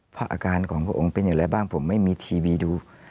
อาการของพระองค์เป็นอย่างไรบ้างผมไม่มีทีวีดู